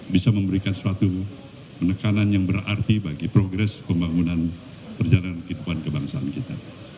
bisa memberikan suatu penekanan yang berarti bagi progres pembangunan perjalanan kehidupan kebangsaan kita